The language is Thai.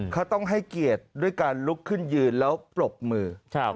เขาต้องให้เกียรติด้วยการลุกขึ้นยืนแล้วปรบมือ